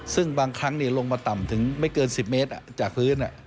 ซึ่งบางครั้งลงมาต่ำถึงไม่เกิน๑๐เมตรจากพื้น